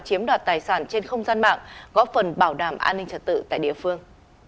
chiếm đoạt tài sản trên không gian mạng góp phần bảo đảm an ninh trật tự tại địa phương